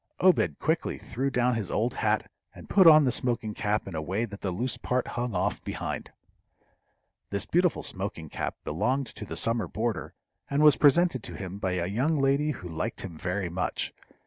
Obed quickly threw down his old hat, and put on the smoking cap in a way that the loose part hung off behind. This beautiful smoking cap belonged to the summer boarder, and was presented to him by a young lady who liked him very much.